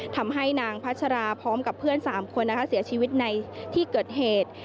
ทำให้นางพัชราพร้อมกับเพื่อน๓คนเสียชีวิตในที่เกิดเหตุ